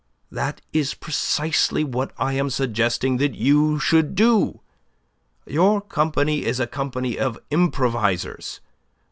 That is precisely what I am suggesting that you should do. Your company is a company of improvisers.